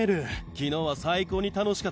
昨日は最高に楽しかったよ。